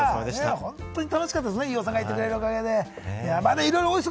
本当に楽しかったですよね、飯尾さんがいてくれるおかげで。